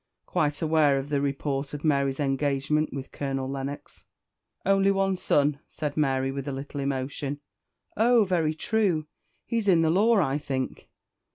quite aware of the report of Mary's engagement with Colonel Lennox." "Only one son," said Mary, with a little emotion. "Oh! very true. He's in the law, I think?"